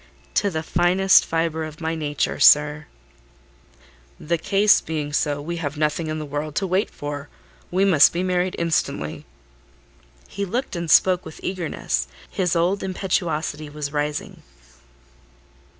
"To the finest fibre of my nature, sir." "The case being so, we have nothing in the world to wait for: we must be married instantly." He looked and spoke with eagerness: his old impetuosity was rising.